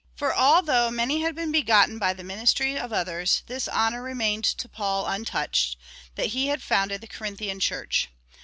For although many had been begotten by the ministry of others, this honour remained to Paul untouched — that he had founded the Corinthian Church.